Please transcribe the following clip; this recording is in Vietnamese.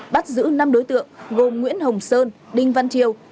bắt giữ năm đối tượng gồm nguyễn hồng sơn đinh văn triều nguyễn văn văn